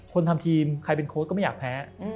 ทำทีมใครเป็นโค้ดก็ไม่อยากแพ้